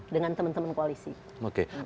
dengan teman teman koalisi